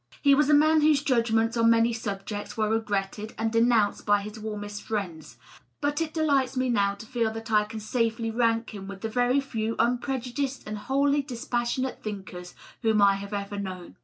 He was a man whose judgments on many subjects were regretted and de nounced by his warmest friends ; but it delights me now to feel that I can safely rank him with the very few unprejudiced and wholly dis passionate thinkers whom I have ever known.